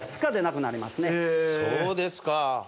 そうですか。